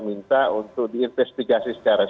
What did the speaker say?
minta untuk diinvestigasi secara